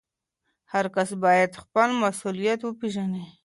هر کس باید خپل مسؤلیت وپېژني.